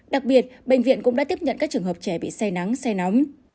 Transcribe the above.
đặc biệt bệnh viện cũng đã tiếp nhận các trường hợp trẻ bị say nắng say nóng